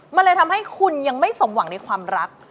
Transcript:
มันเลยทำให้คุณยังไม่สมหวังในความรัก